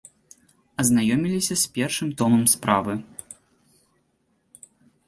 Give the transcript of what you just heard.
Азнаёміліся з першым томам справы.